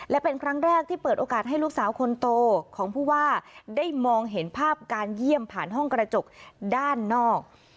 และเป็นครั้งแรกที่เปิดโอกาสให้ลูกสาวคนโตของผู้ว่าได้มองเห็นภาพการเยี่ยมผ่านห้องกระจกด้านนอก